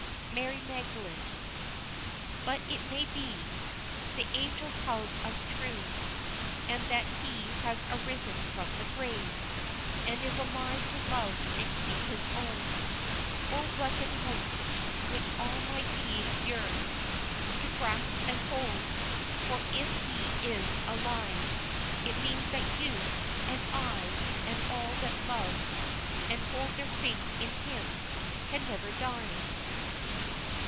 MARY MAGDALENE. But it may be The angel tells us true, And that He has arisen from the grave, And is alive to love and keep His own O, blessed hope! which all my being yearns To grasp and hold for if He is alive, It means that you, and I, and all that love And hold their faith in Him, can never die.